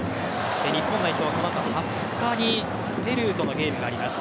日本代表はこの後、２０日にペルーとのゲームがあります。